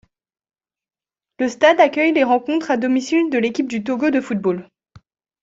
Le stade accueille les rencontres à domicile de l'équipe du Togo de football.